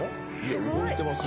動いてますよね。